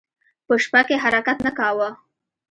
په شپه کې حرکت نه کاوه.